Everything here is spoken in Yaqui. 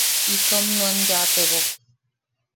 Itom nuan yaatebok.